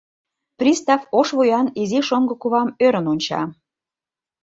Пристав ош вуян изи шоҥго кувам ӧрын онча.